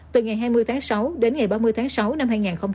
từ ngày hai mươi tháng sáu đến ngày ba mươi tháng sáu năm hai nghìn hai mươi